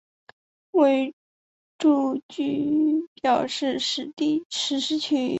为住居表示实施区域。